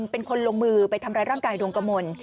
เป็นคนลงมือไปทำร้ายร่างกายดวงกมล